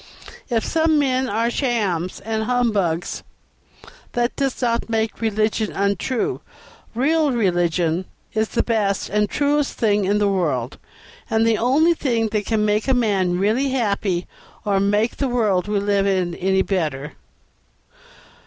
If some men are shams and humbugs, that does not make religion untrue. Real religion is the best and truest thing in the world, and the only thing that can make a man really happy or make the world we live in any better."